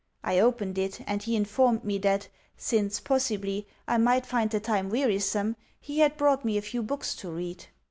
I opened it, and he informed me that, since, possibly, I might find the time wearisome, he had brought me a few books to read.